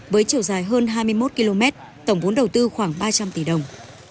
với chiều dài hơn hai mươi một km tổng vốn đầu tư khoảng ba trăm linh tỷ đồng